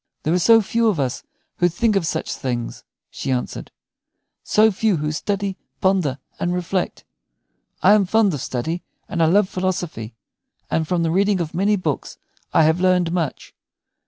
"There are so few of us who think of such things," she answered, "so few who study, ponder, and reflect. I am fond of study, and I love philosophy; and from the reading of many books I have learned much.